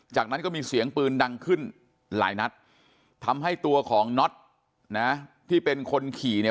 จากนั้นก็มีเสียงปืนดังขึ้นหลายนัดทำให้ตัวของน็อตนะที่เป็นคนขี่เนี่ย